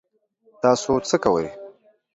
تاسو څه کوئ؟